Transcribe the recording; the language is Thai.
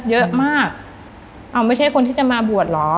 เยอะมากเอาไม่ใช่คนที่จะมาบวชเหรอ